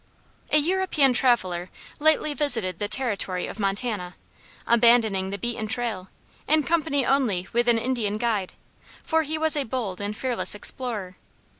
A European traveler lately visited the Territory of Montana abandoning the beaten trail, in company only with an Indian guide, for he was a bold and fearless explorer.